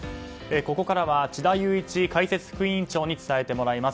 ここからは智田裕一解説副委員長に伝えてもらいます。